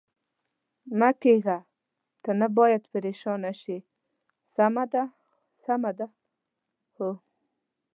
مه کېږه، ته نه باید پرېشانه شې، سمه ده، سمه ده؟ هو.